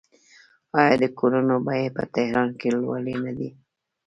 آیا د کورونو بیې په تهران کې لوړې نه دي؟